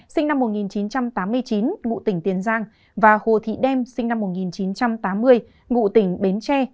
sinh năm một nghìn chín trăm tám mươi chín ngụ tỉnh tiền giang và hồ thị đem sinh năm một nghìn chín trăm tám mươi ngụ tỉnh bến tre